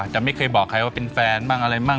แต่ไม่เคยบอกใครว่าเป็นแฟนบ้างอะไรบ้าง